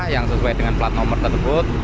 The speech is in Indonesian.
yang sesuai dengan plat nomor tersebut